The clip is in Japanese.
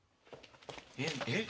えっ？